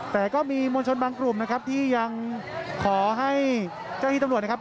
แต่ก็มีมวลชนบางกลุ่มนะครับที่ยังขอให้เจ้าที่ตำรวจนะครับ